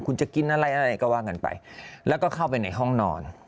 คุณจะกินอะไรอะไรก็ว่ากันไปแล้วก็เข้าไปในห้องนอน